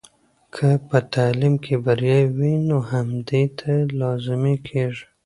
که په تعلیم کې بریا وي، نو همدې ته لازمي کیږي.